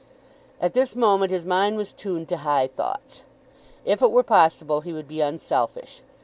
At this moment his mind was tuned to high thoughts. If it were possible he would be unselfish.